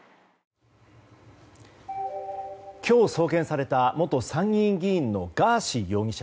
今日、送検された元参議院議員のガーシー容疑者。